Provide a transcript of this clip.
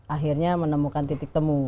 akhirnya menemukan titik temu